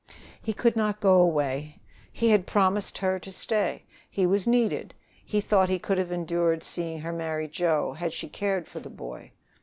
He could not go away. He had promised her to stay: he was needed. He thought he could have endured seeing her marry Joe, had she cared for the boy.